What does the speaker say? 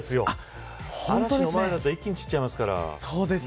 嵐の前だと一気に散っちゃいますから。